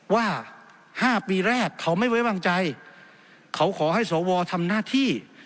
ว่า๕ปีแรกเขาไม่ไว้วางใจเขาขอให้สวทำหน้าที่